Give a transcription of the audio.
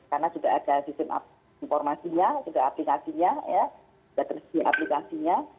karena sudah ada sistem informasinya juga aplikasinya sudah tersedia aplikasinya